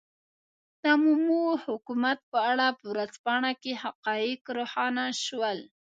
د مومو حکومت په اړه په ورځپاڼه کې حقایق روښانه شول.